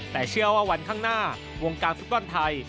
แต่เชื่อว่าวันข้างหน้าวงการฟุตบอลไทย